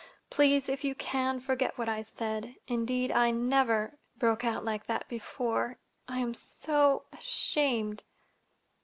"Please, if you can, forget what I said. Indeed, I never—broke out like that—before. I am so—ashamed!"